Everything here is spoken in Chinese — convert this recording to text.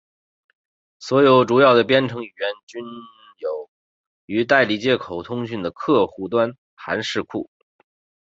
所有主要的编程语言均有与代理接口通讯的客户端函式库。